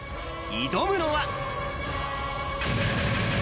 挑むのは。